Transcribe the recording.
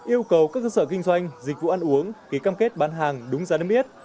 yêu cầu các cơ sở kinh doanh dịch vụ ăn uống ký cam kết bán hàng đúng giá niêm yết